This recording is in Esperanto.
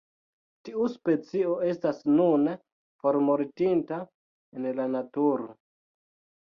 Tiu specio estas nune formortinta en la naturo.